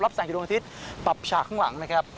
แสงอยู่ดวงอาทิตย์ปรับฉากข้างหลังนะครับ